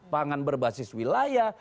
pangan berbasis wilayah